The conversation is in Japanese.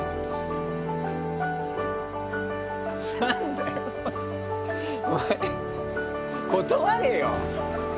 何だよお前、断れよ！